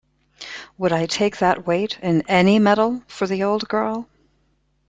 Would I take that weight — in any metal — for the old girl?